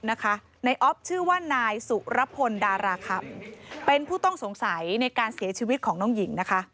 นายอ๊อฟชื่อว่านายสุรพลดาราคำเป็นผู้ต้องสงสัยในการเสียชีวิตของน้องหญิงนะคะ